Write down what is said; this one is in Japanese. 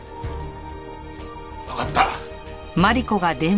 わかった。